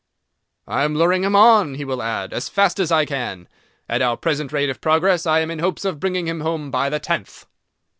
"I am luring him on," he will add, "as fast as I can. At our present rate of progress, I am in hopes of bringing him home by the tenth."